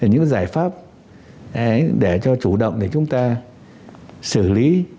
những giải pháp để cho chủ động để chúng ta xử lý